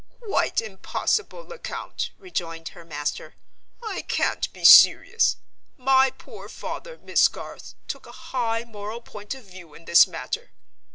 "Quite impossible, Lecount," rejoined her master. "I can't be serious. My poor father, Miss Garth, took a high moral point of view in this matter.